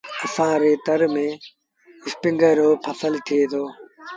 اسآݩ ري تر ميݩ اسپِنگر رو با ڦسل ٿئي دو